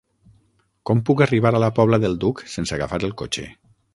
Com puc arribar a la Pobla del Duc sense agafar el cotxe?